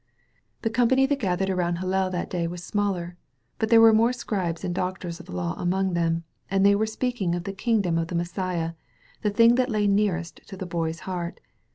The company that gathered around Hillel that day was smaller, but there were more scribes and doctors of the law among them, and they were speak ing of the kingdom of the Messiah — ^the thing that lay nearest to the Boy's heart.